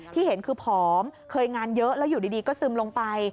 ที่เห็นคือผอมเคยงานเยอะแล้วอยู่ดีก็ซึมลงไป